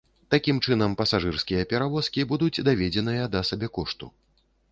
Такім чынам пасажырскія перавозкі будуць даведзеныя да сабекошту.